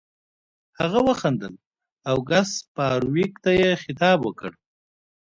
هغه وخندل او ګس فارویک ته یې خطاب وکړ